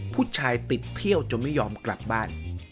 ผู้ชายติดเที่ยวจนไม่ยอมกลับบ้าน